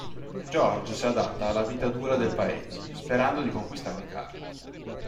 George si adatta alla vita dura del paese, sperando di conquistare Carla.